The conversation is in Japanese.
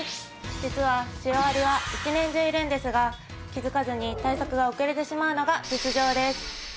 実はシロアリは一年中いるのですが気づかずに対策が遅れてしまうのが実情です。